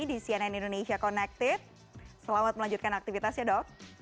di cnn indonesia connected selamat melanjutkan aktivitasnya dok